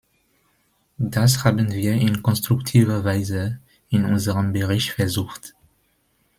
Das haben wir in konstruktiver Weise in unserem Bericht versucht.